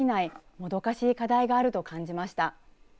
もどかしい課題があると感じました。